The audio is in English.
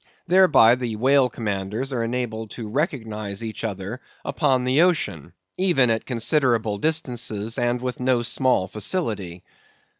Thereby, the whale commanders are enabled to recognise each other upon the ocean, even at considerable distances and with no small facility.